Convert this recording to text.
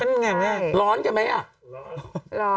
กล้องกว้างอย่างเดียว